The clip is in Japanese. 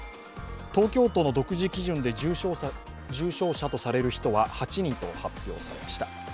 東京都の独自基準で重症者とされる人は８人と発表されました。